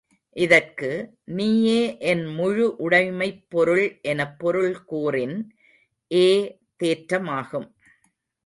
இதற்கு, நீயே என் முழு உடைமைப் பொருள் எனப் பொருள் கூறின் ஏ தேற்றமாகும்.